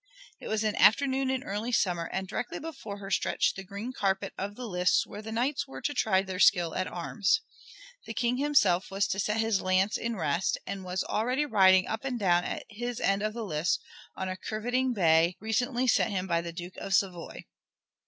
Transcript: It was an afternoon in early summer and directly before her stretched the green carpet of the lists where the knights were to try their skill at arms. The King himself was to set his lance in rest, and was already riding up and down at his end of the lists on a curveting bay recently sent him by the Duke of Savoy.